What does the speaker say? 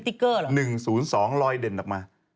คิติกเกอร์เหรอ๑๐๒รอยเด่นออกมา